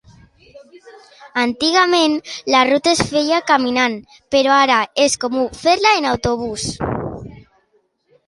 Antigament la ruta es feia caminant però ara és comú fer-la en autobús.